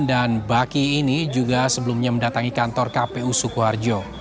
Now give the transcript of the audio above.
dan baki ini juga sebelumnya mendatangi kantor kpu sukoharjo